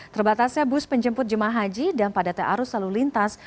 terbatasnya bus penjemput jemaah haji dan padatnya arus lalu lintas